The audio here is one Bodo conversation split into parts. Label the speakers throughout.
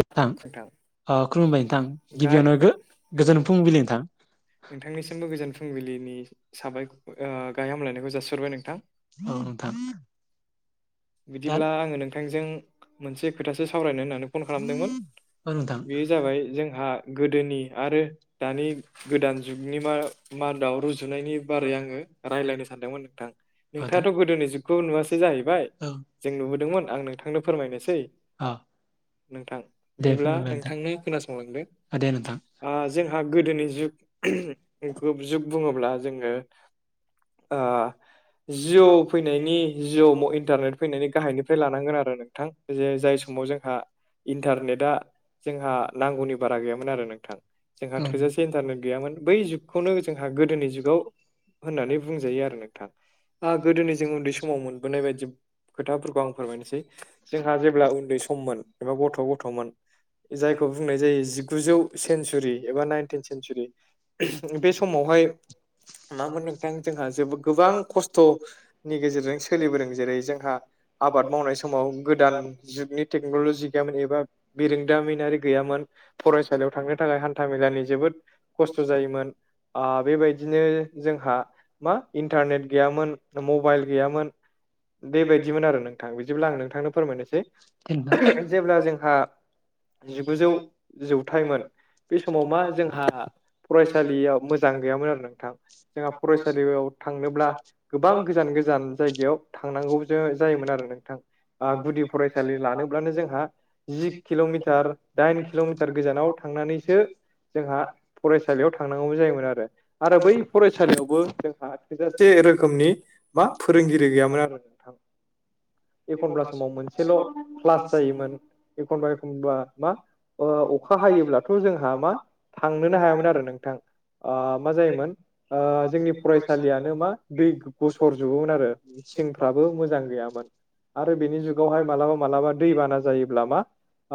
Speaker 1: नोंथां खुलुमबाय नोंथां
Speaker 2: गाहाय
Speaker 1: गिबियावनो गो-गोजोन फुंबिलि नोंथां
Speaker 2: नोंथांनिसिमबो गोजोन फुंबिलिनि साबाय ओ गाहाय हामलायनायखौ जासिहरबाय नोंथां
Speaker 1: औ नोंथां दा
Speaker 2: बिदिब्ला आङो नोंथांजों मोनसे खोथासो सावरायनो होननानै फन खालामदोंमोन
Speaker 1: औ नोंथां
Speaker 2: बे जाबाय जोंहा गोदोनि आरो दानि गोदान जुगनि मा मादाव रुजुनायनि बारै आङो रायज्लायनो सानदोंमोन नोंथां
Speaker 1: आदा‌
Speaker 2: नोंथाङाथ' गोदोनि जुगखौ नुवासै जाहैबाय
Speaker 1: औ
Speaker 2: जों नुबोदोंमोन आं नोंथांनो फोरमायनोसै
Speaker 1: औ
Speaker 2: नोंथां
Speaker 1: दे
Speaker 2: बिदिब्ला
Speaker 1: फोरमायबाय नोंथां
Speaker 2: नोंथांनो खोनासंलांदो
Speaker 1: औ दे नोंथां
Speaker 2: ओ जोंहा गोदोनि जुग ग्रुब जुग बुङोब्ला जोङो ओ जिअ' फैनायनि जिअ' इन्टारनेट नायनि गाहायनिफ्राय लानांगोन आरो नोंथां जे जाय समाव जोंहा इन्टारनेटआ जोंहा नांगौनि बारा गैयामोन आरो नोंथां जोंहा
Speaker 1: औ
Speaker 2: थोजासे इन्टारनेट गैयामोन बै जुगखौनो जोंहा गोदोनि जुगाव होननानै बुंजायो आरो नोंथां ओ गोदोनि जों उन्दै समाव मोनबोनाय बायदि खोथाफोरखौ आं फोरमायनोसै जोंहा जेब्ला उन्दै सममोन एबा गथ' गथ'मोन जायखौ बुंनाय जायो जिगुजौ सेन्सुरि एबा नाइनटिन सेन्सुरि बे समावहाय [unintelligible] नोंथां जोंहा जबो गोबां
Speaker 1: औ
Speaker 2: खस्थ'नि गेजेरजों सोलिबोदों जेरै जोंहा आबाद मावनाय समाव गोदान जुगनि टेक्न'लजि गैयामोन एबा बिरोंदामिनारि गैयामोन फरायसालियाव थांनो थाखाय हान्था मेलानि जोबोद खस्थ' जायोमोन ओ बेबायदिनो जोंहा मा इन्टारनेट गैयामोन मबाइल गैयामोन। बेबायदिमोन आरो नोंथां बिदिब्ला आं नोंथांनो फोरमायनोसै
Speaker 1: नंगौ
Speaker 2: जेब्ला जोंहा जिगुजौ जौथाइमोन बे समाव मा जोंहा फरायसालियाव मोजां गैयामोन आरो नोंथां जोंहा फरायसालियाव थांनोब्ला गोबां गोजान गोजान जायगायाव थांना नांगौ जा-जायोमोन आरो नोंथां गुदि फरायसालि लानोब्लानो जोंहा जि किल'मिटार दाइन किल'मिटार गोजानाव थांनानैसो जोंहा फरायसालियाव थांनांगौ जायोमोन आरो आरो बै फरायसालियावबो जोंहा थोजासे रोखोमनि मा फोरोंगिरि गैयामोन आरो नोंथां। एखनब्ला समाव मोनसेल' क्लास जायोमोन एखनबा एखनबा मा ओ अखा हायोब्लाथ' जोंहा मा थांनोनो हायामोन आरो नोंथां ओ मा जायोमोन ओ जोंनि फरायसालियानो मा दै गसर जबोमोन आरो फ्राबो मोजां गैयामोन आरो बिनि जुगावहाय मालाबा मालाबा दैबाना जायोब्ला मा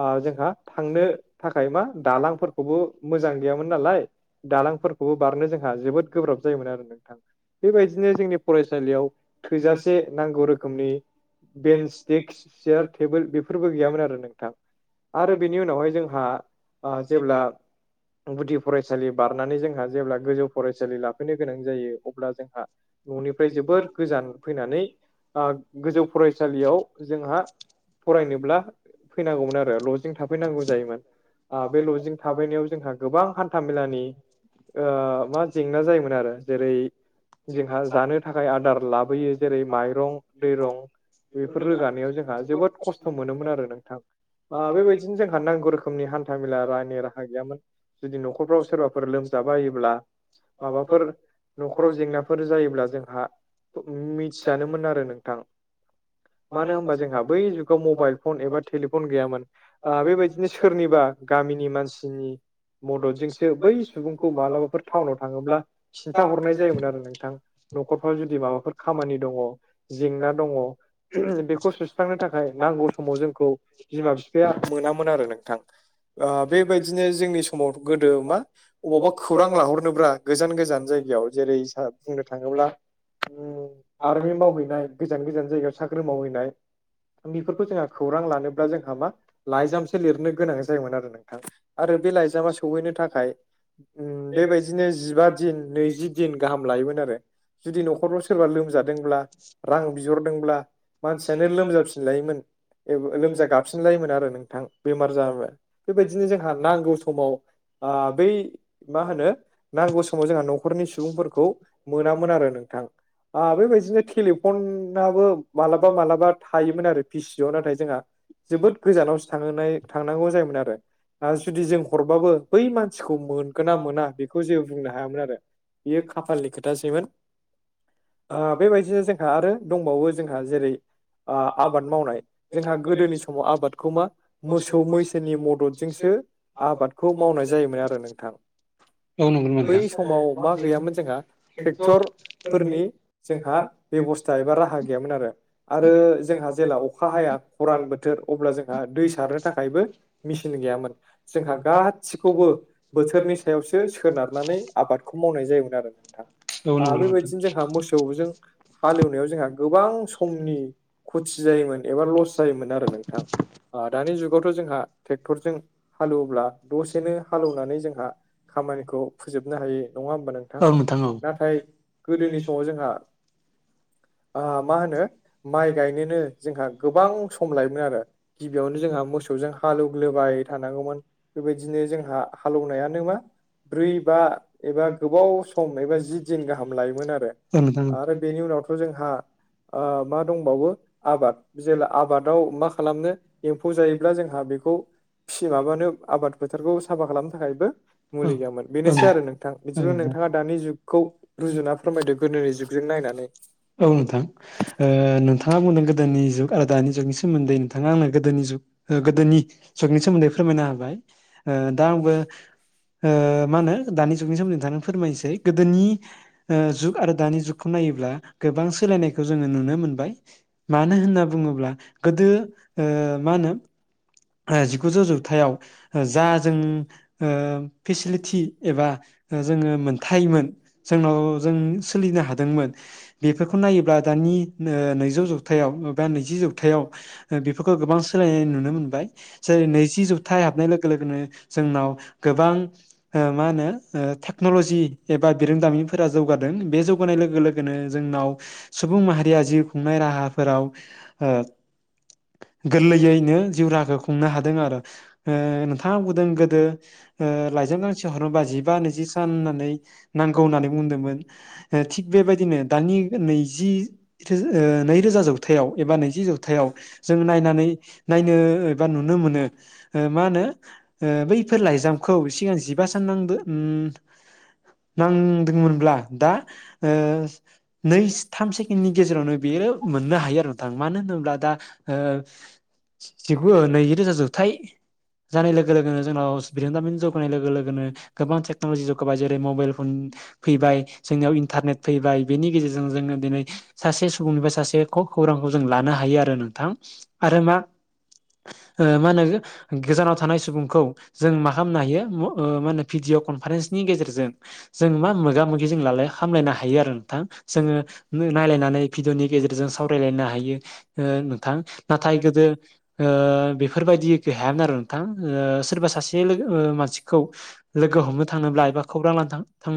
Speaker 2: ओ जोंहा थांनो थाखाय मा दालांफोरखौबो मोजां गैयामोन नालाय दालांफोरखौबो बारनो जोंहा जोबोद गोब्राब जायोमोन आरो नोंथां बेबायदिनो जोंनि फरायसालियाव थोजासे नांगौ रोखोमनि बेन्स देक्स सियार टेबोल बेफोरबो गैयामोन आरो नोंथां। आरो बेनि उनावहाय जोंहा जेब्ला गुदि फरायसालि बारनानै जोंहा जेब्ला गोजौ फरायसालि लाफैनो गोनां जायो अब्ला जोंहा न'निफ्राय जोबोर गोजान फैनानै ओ गोजौ फरायसालियाव जोंहा फरायनोब्ला फैनांगौमोन आरो लजिं थाफैनांगौ जायोमोन ओ बे लजिं थाबायनायाव जोंहा गोबां हान्था मेलानि ओ मा जेंना जायोमोन आरो जेरै जोंहा जानो थाखाय आदार लाबोयो जेरै माइरं दैरं बेफोर रोगानायाव जोंहा जोबोद खस्थ' मोनोमोन आरो नोंथां ओ बेबायदिनो जोंहा नांगौ रोखोमनि हान्था मेला रानि राहा गैयामोन जुदि नखरफ्राव सोरबाफोर लोम बायोब्ला माबाफोर न'खराव जेंनाफोर जायोब्ला जोंहा मिथियानोमोन आरो नोंथां मानो होनबा जोंहा बै जुगाव मबाइल फन एबा टेलिफन गैयामोन ओ बेबायदिनो सोरनिबा गामिनि मानसिनि मददजोंसो बै सुबुंखौ मालाबाफोर टाउनाव थाङोब्ला खिन्था हरनाय जायोमोन आरो नोंथां न'खरफ्राव जुदि माबाफोर खामानि दंङ जेंना दङ बेखौ सुस्रांनो थाखाय नांगौ समाव जोंखौ बिमा बिफाया मोनामोन आरो नोंथां ओ बेबायदिनो जोंनि समाव गोदो मा अबावबा खौरां लाहरनोब्रा गोजान गोजान जायगायाव जेरै स बुंनो थाङोब्ला
Speaker 1: आ
Speaker 2: आरमि मावहैनाय गोजान गोजान जायगायाव साख्रि मावहैनाय बेफोरखौ जोंहा खौरां लानोब्ला जोंहा मा लाइजामसो लिरनो गोनां जायोमोन आरो नोंथां आरो बे लाइजामा सहैनो थाखाय बेबायदिनो जिबा दिन नैजि दिन गाहाम लायोमोन आरो जुदि न'खरफ्राव सोरबा लोमजादोंब्ला
Speaker 1: [inaudible]
Speaker 2: दोंब्ला मानसियानो लोमजाफिनलायोमोन लोमजा गाबसिनलायोमोन आरो नोंथां बेमार जामोन बेबायदिनो जोंहा नांगौ समाव बै मा होनो नांगौ समाव जोंहा न'खरनि सुबुंफोरखौ मोनामोन आरो नोंथां ओ बेबायदिनो टेलिफन जोंहाबो मालाबा मालाबा थायोमोन आरो पि सि अ नाथाय जोंहा जोबोद गोजानावसो थांहोनाय थांनांगौ जायोमोन आरो जुदि जों हरबाबो बै मानसिखौ मोनगोन ना मोना बे खौ जेबो बुंनो हायामोन आरो बियो खाफालनि खोथासैमोन बेबायदिनो जोंहा आरो दंबावो जोंहा जेरै आबाद मावनाय जोंहा गोदोनि समाव आबादखौ मा मोसौ मैसोनि मददजोंसो आबादखौ मावनाय जायोमोन आरो नोंथां
Speaker 1: नामा
Speaker 2: बै
Speaker 1: नोंथां
Speaker 2: समाव मा गैयामोन जोंहा ट्रेक्टरफोरनि जोंहा बेब'स्था एबा राहा गैयामोन आरो आरो जोंहा जेला अखा हाया खरान बोथोर अब्ला जोंहा दै सारनो थाखायबो मेचन गैयामोन जोंहा गासिखौबो बोथोरनि सायावसो सोनारनानै आबादखौ मावनाय जायोमोन आरो
Speaker 1: औ नंगौ
Speaker 2: नोंथां
Speaker 1: नंगौ
Speaker 2: ओ
Speaker 1: नोंथां।
Speaker 2: बेबायदिनो जोंहा मोसौजों हालवनायाव जोंहा गोबां समनि खथि जायोमोन एबा लस जायोमोन आरो नोंथां दानि जुगावथ' जोंहा ट्रेक्टरजों हालेवोब्ला दसेनो हालेवनानै जोंहा खामानिखौ फोजोबनो हाय नङा होमबा नोंथां
Speaker 1: औ औ नोंथां औ।
Speaker 2: नाथाय
Speaker 1: औ
Speaker 2: गोदोनि
Speaker 1: औ
Speaker 2: समाव जोंहा [unintelligible] ओ मा होनो माइ गायनोनो जोंहा गोबां सम लायोमोन आरो गिबियावनो जोंहा मोसौजों हालौवग्लोबाय थानांगौमोन बेबायदिनो जोंहा हालेौवनायानो मा ब्रै बा एबा गोबाव सम एबा जि दिन गाहाम लायोमोन आरो
Speaker 1: औ नोंथां
Speaker 2: आरो बेनि उनावथ' जोंहा मा दंबावो आबाद जेब्ला आबादाव मा खालामनो एम्फौ जायोब्ला जोंहा बेखौ खि माबानो आबाद फोथारखौ साफा खालामनो थाखायबो मुलि गैयामोन बेनोसै आरो नों नोंथां
Speaker 1: औ
Speaker 2: बिदिब्ला
Speaker 1: नोंथां।
Speaker 2: नोंथाङा दानि जुगखौ रुजुना फोरमायदो गोदोनि जुगजों नायनानै
Speaker 1: औ नोंथां नोंथाङा बुंदों गोदोनि जुग आरो दानि जुगनि सोमोन्दै नोंथाङा आंनो गोदोनि जुग गोदोनि जुगनि सोमोन्दै फोरमायना होबाय दा आंबो ओ मा होनो दानि जुगनि सोमोनदै नोंथांनो फोरमायनोसै गोदोनि जुग आरो दानि जुग खौ नायोब्ला गोबां सोलायनायखौ जोङो नुनो मोनबाय मानो होनना बुङोब्ला गोदो ओ मा होनो जिगुजौ जौथायाव जा जों फेसिलिटि एबा जोङो मोनथायोमोन जोंनाव जों सोलिनो हादोंमोन बेफोरखौ नायोब्ला दानि नैजौ जौथाइआव एबा नैजि जौथाइआव बेफोरखौ गोबां सोलायनाय नुनो मोनबाय जेरै नैजि जौथाइ हाबनाय लोग लोगोनो जोंनाव गोबां ओ मा होनो ओ टेक्न'लजि एबा बिरोंदामिनफोरा जौगादों बे जौगानाय लोगो लोगो जोंनाव सुबुं माहारिया जिउ खुंनाय राहाफोराव गोरलैयैनो जिउराखौ खुंनो हादों आरो थाम गुदुं गोदो लाइजाम गांसे हरनोबा जिबा नैजि सान होननानै नांगौ होननानै बुंदोंमोन थिग बेबायदिनो दानि नैजि ओ नैरोजा जौथाइआव एबा नैजि जौथाइआव जों नायनानै नायनो बा नुनो मोनो ओ मा होनो बैफोर लाइजामखौ सिगां जिबा सान नां नांदोंमोनब्ला दा ओ नै थाम से नि गेजेरावनो बेयो मोननो हायो आरो नथां मानो होन्ला दा ओ- नैजि रोजा जोबथायाइ जानाय लोगो लोगोनो जोंव बिरोंदामिन जौगानाय लोगो लोगोनो गोबां टेक्न'लजि जौगाबाय जेरै मबाइल फन फैबाय जोंनियाव इन्टारनेट फैबाय बेनि गेजेरजों जोंङो दिनै सासे सुबुंनिफ्राय सासे खौरांखौ जों लानो हायो आरो नोंथां आरो मा? ओ मा होनो गोजानाव थानाय सुबुंखौ जों मा खामनो हायो ओ मा होनो भिडिअ' कनफारेन्सनि गेजेरजों जों मा मोगा मोगि जों लालाय खामलायनो हायो आरो नोंथां जोङो नायलायनानै भिडिअ'नि गेजेरजों सावरायलायनो हायो ओ नोंथां नाथाय गोदो ओ। बेफोरबायदि गै हायामोन आरो नोंथां ओ सोरबा सासे लोगो ओ मानसिखौ लोगो हमनो थाङोब्ला एबा खौरां लानो थां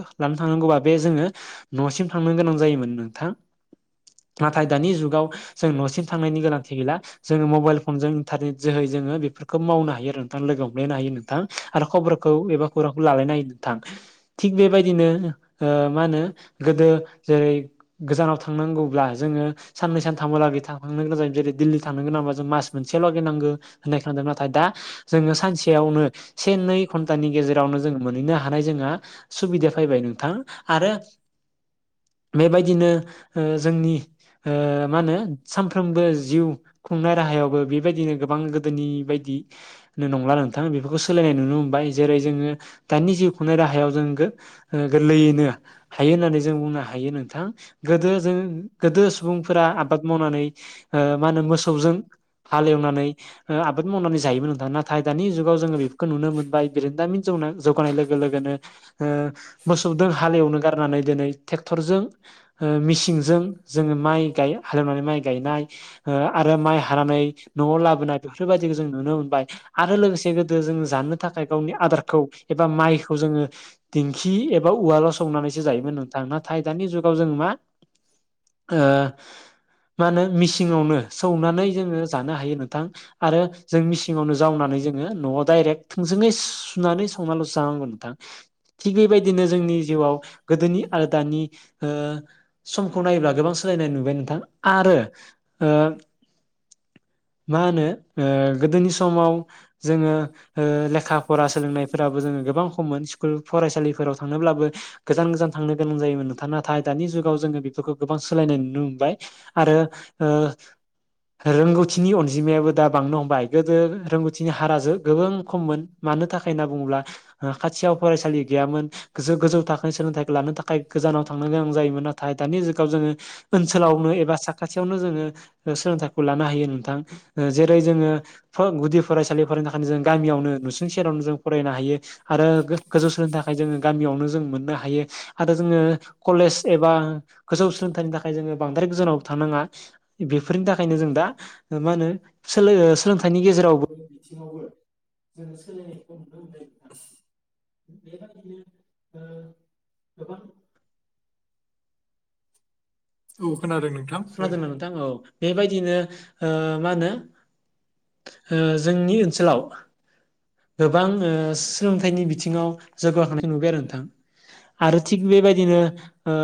Speaker 1: लानो थांनांगौबा बे जोङो न'सिम थांनो गोनां जायोमोन नोंथां। नाथाय दानि जुगाव जों न'सिम थांनायनि गोनांथि गैला। जोङो मबाइल फनजों इन्टारनेट जोहै जोङो बेफोरखौ मावनो हायो आरो नों थां लोगो हमलायनो हायो नोंथां आरो खबरखौ एबा खौरांखौ लालायनो हायो नोंथां। थिग बेबायदिनो ओ‌ मा होनो गोदो जेरै गोजानाव थांनांगौब्ला जोङो साननै सानथामलागै थांनो गोनां जायो जेरै दिल्ली थनो गोनां बा जों मास मोनसे लागै नांगौ होननाय खोनादों नाथाय दा जोङो सानसेयावनो से नै घन्टानि गेजेरावनो जों मोनहैनो हानाय जोंहा सुबिदा फैबाय नोंथां आरो
Speaker 2: [inaudible]
Speaker 1: बेबायदिनो ओ जोंनि ओ मा होनो सानफ्रोमबो जिउ खुंनाय राहायावबो बेबायदिनो गोबां गोदोनि बायदि [unintelligible] नंला नोंथाङा बेफोरखौ सोलायनाय नुनो मोनबाय जेरै जोङो दानि जिउ खुंनाय राहायाव जों गो गोर्लैयैनो हायो होननानै जों बुंनो हायो नोंथां। गोदो जों गोदो सुबुंफोरा आबाद मावनानै ओ मा होनो मोसौजों हालेवनानै ओ आबाद मावनानै जायोमोन नोंथां नाथाय दानि जुगाव जोङो बेफोरखौ नुनो मोनबाय बिरोंदामिन जौनां जौगानाय लोगो लोगोनो ओ मोसौजों हालेवनो गारनानै दिनै ट्रेक्टरजों ओ मिसिंजों जों माइ गायो हालेवनानै माइ गायनाय ओ आरो माइ हानानै न'आव लाबोनाय बेफोरबायदिखौ जों नुनो मोनबाय आरो लोगोसे गोदो जों जानो थाखाय गावनि आदारखौ एबा माइखौ जोङो दिंखि एबा उवालाव संनानैसो जायोमोन नोंथां नाथाय दानि जुगाव जों मा
Speaker 2: [inaudible]
Speaker 1: ओ मा होनो मिसिङावनो सौनानै जोङो जानो हायो नोंथां आरो जों मिसिंआवनो जावनानै जोङो न'आव दाइरेक थोंजोङै [unintelligible] सुनानै संनाल' जानांगौ नोंथां। थिग बेबायदिनो जोंनि जिउआव गोदोनि आरो दानि ओ समखौ नायोब्ला गोबां सोलायनाय नुबाय नोंथां आरो ओ मा होनो ओ गोदोनि समाव जोङो ओ लेखा फरा सोलोंनाय फोराबो जोङो गोबां खममोन स्कुल फरायसालिफोराव थांनोब्लाबो गोजान गोजान थांनो गोनां जायोमोन नोंथां ना थाय दानि जुगाव जोङो बेफोरखौ गोबां सोलायनाय नुनो मोनबाय आरो ओ रोंगौ थिनि अनजिमायाबो दा बांनो हमबाय गोदो रोंगौथिनि हाराजों गोबां खममोन मानो थाखाय होनना बुङोब्ला। ओ खाथियाव फरायसालि गैयामोन गो-गोजौ थाखोनि सोलोंथाइखौ लानो थाखाय गोजानाव थांनो गोनां जायोमोन नाथाय दानि जुगाव जोङो ओनसोलावनो एबा साखाथियावनो जोङो सोलोंथाइखौ लानो हायो नोंथां। जेरै जोङो [unintelligible] गुदि फरायसालि फरायनो थाखायनो जों गामियावनो नुसुं सेरावनो जों फरायनो हायो। आरो गोजौ सोलोंनो थाखाय जोङो गामियावनो जों मोननो हायो आरो जोङो कलेज एबा गोजौ सोलोंथाइनि थाखाय जोङो बांद्राय गोजानाव थांनााङा बेफोरनि थाखायनो जों दा मा होनो सोलो
Speaker 2: [unintelligible]
Speaker 1: सोलोंथाइनि
Speaker 2: गेजेरावबो बिथिङावबो। जोङो सोलिनायखौ नुनो मोननाय आरो बेबायदिनो ओ गोबां औ खोनादों नोंथां
Speaker 1: खोनादोंना नोंथां औ बेबायदिनो ओ मा होनो ओ जोंनि ओनसोलाव गोबां ओ सोलोंथाइनि बिथिङाव जौगाखांनाय नुबाय आरो नोंथां। आरो थिग बेबायदिनो ओ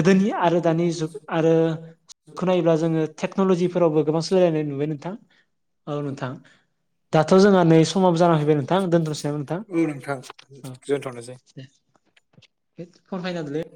Speaker 1: गोदोनि ओ आरो दानि जुग आरो खौनायोब्ला जोङो टेक्न'ल'जिफोरावबो गोबां सोलायलायनाय नुबाय नोंथां। औ नोंथां दाथ' जोंहा नै समावबो
Speaker 2: उम नोंथां
Speaker 1: औ
Speaker 2: दोनथ'नोसै।
Speaker 1: [inaudible]